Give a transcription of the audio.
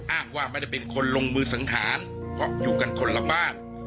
อ้างว่าไม่ได้เป็นคนลงมือสังหารเพราะอยู่กันคนละบ้าน